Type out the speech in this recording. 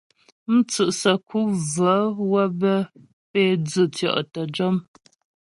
Mtsʉ' səku və́ wə́ bə́ pé dzʉtyɔ' təjɔm.